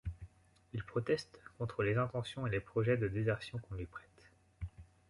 Il proteste contre les intentions et les projets de désertion qu'on lui prête.